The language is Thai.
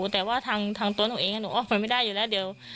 แต่ว่าทางตัวหนูเองหนูออกไปไม่ได้อยู่แล้วเดี๋ยว